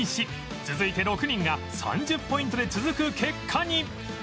続いて６人が３０ポイントで続く結果に